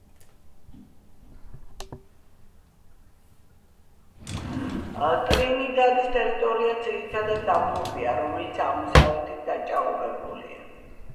ტრინიდადის ტერიტორია ძირითადად დაბლობია, რომელიც აღმოსავლეთით დაჭაობებულია.